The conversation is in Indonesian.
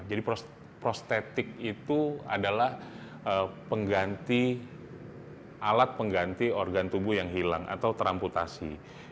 jadi prostetik itu adalah alat pengganti organ tubuh yang hilang atau teramputasi